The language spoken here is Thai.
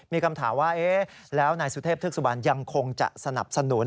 มีคำถามว่าอย่างคงจะสนับสนุน